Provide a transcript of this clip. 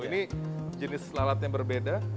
ini jenis alatnya berbeda